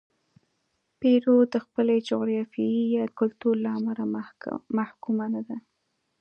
پیرو د خپلې جغرافیې یا کلتور له امله محکومه نه ده.